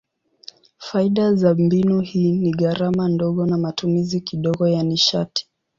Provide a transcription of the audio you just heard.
Faida za mbinu hii ni gharama ndogo na matumizi kidogo ya nishati.